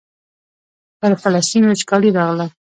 پر فلسطین وچکالي راغله.